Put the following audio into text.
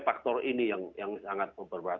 faktor ini yang sangat memperbahagi